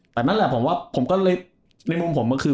แต่นั่นแหละผมว่าผมก็เลยในมุมผมก็คือ